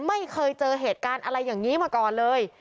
ไม่เคยเจอเหตุการณ์อะไรอย่างนี้มาก่อนเลย